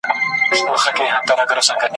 چي لا پاته یو افغان وي چي ودان وي لا یو کلی `